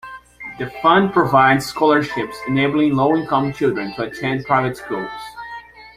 The fund provides scholarships enabling low-income children to attend private schools.